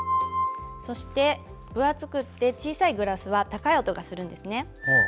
そして、分厚くて小さいグラスは高い音がするんですね。